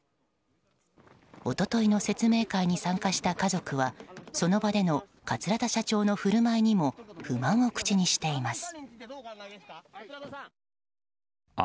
一昨日の説明会に参加した家族はその場での桂田社長の振る舞いにも不満を口にしています。